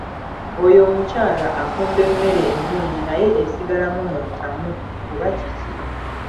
Oyo omukyala afumba emmere ennungi naye esigalamu mu ntamu oba kiki?